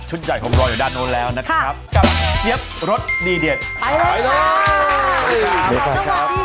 ชุดใหญ่ของเราอยู่ด้านโน้นแล้วนะครับกลับเจี๊ยบรสดีเด็ดไปเลยค่ะ